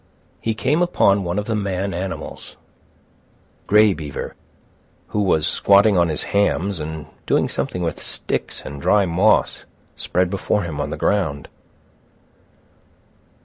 He came upon one of the man animals, Grey Beaver, who was squatting on his hams and doing something with sticks and dry moss spread before him on the ground.